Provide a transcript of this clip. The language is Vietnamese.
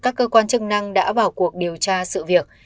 các cơ quan chức năng đã vào cuộc điều tra sự việc